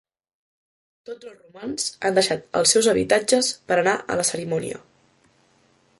Tots els romans han deixat els seus habitatges per anar a la cerimònia.